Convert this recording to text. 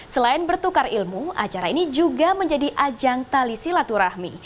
selain bertukar ilmu acara ini juga menjadi ajang tali silaturahmi